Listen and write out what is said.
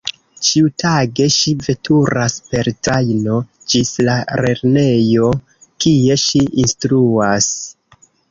Ĉiutage ŝi veturas per trajno ĝis la lernejo, kie ŝi instruas.